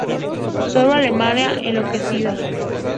Su obra "Alemania enloquecida.